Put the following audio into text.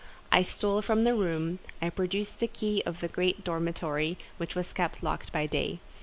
I stole from the room, I procured the key of the great dormitory, which was kept locked by day.